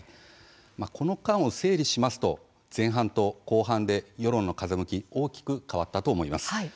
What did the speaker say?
この間を整理しますと前半と後半で、世論の風向きは大きく変わったと思います。